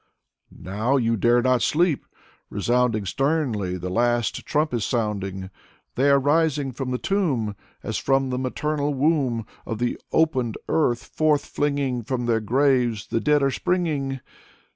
€€ Now you dare not sleep. Resounding Sternly, the last trump is sounding. They are rising from the tomb. As from the maternal womb Of the opened earth forth flinging. From their graves the dead are springing."